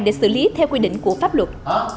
để xử lý theo quy định của pháp luật